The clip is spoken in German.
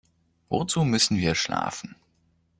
Wozu müssen wir schlafen?